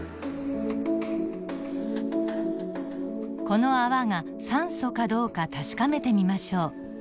この泡が酸素かどうか確かめてみましょう。